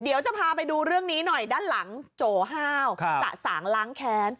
เดี๋ยวจะพาไปดูเรื่องนี้หน่อยด้านหลังโจห้าวสะสางล้างแค้น